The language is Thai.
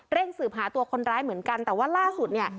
สืบหาตัวคนร้ายเหมือนกันแต่ว่าล่าสุดเนี่ย